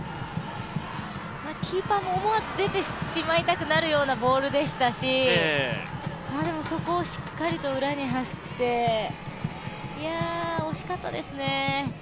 キーパーも思わず出てしまいたくなるようなボールでしたし、そこをしっかりと裏に走って、いや、惜しかったですね。